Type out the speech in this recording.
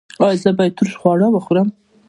ایا زه باید ترش خواړه وخورم؟